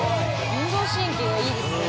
運動神経がいいですね